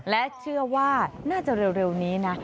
และเชื่อว่าน่าจะเร็วนี้นะ